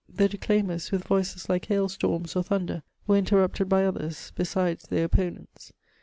The declaimers, with Tdiees like hail storms or thunder, were interrupted by others, beddes their opponents.